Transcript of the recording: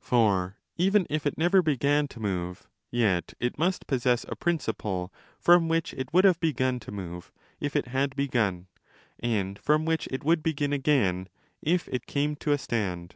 For even if it never began to move, yet it must possess a prin ciple from which it would have begun to move if it had begun, and from which it would begin again if it came to a stand.